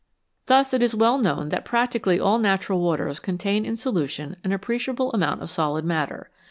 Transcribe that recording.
Thus it is well known that practically all natural waters contain in solution an appreciable amount of solid matter.